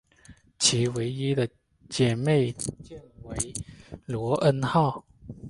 其唯一的姊妹舰为罗恩号。